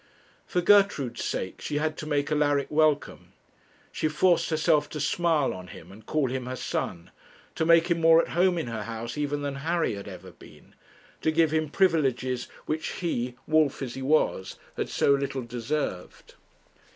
For Gertrude's sake she had to make Alaric welcome; she forced herself to smile on him and call him her son; to make him more at home in her house even than Harry had ever been; to give him privileges which he, wolf as he was, had so little deserved.